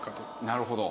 なるほど。